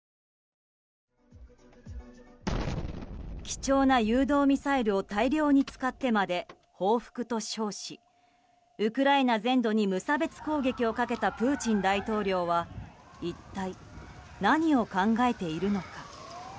貴重な誘導ミサイルを大量に使ってまで報復と称し、ウクライナ全土に無差別攻撃をかけたプーチン大統領は一体何を考えているのか。